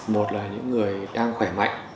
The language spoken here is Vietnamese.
một là những người đang khỏe mạnh